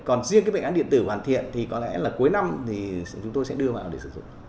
còn riêng cái bệnh án điện tử hoàn thiện thì có lẽ là cuối năm thì chúng tôi sẽ đưa vào